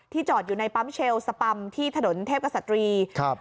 จอดอยู่ในปั๊มเชลสปัมที่ถนนเทพกษัตรีครับ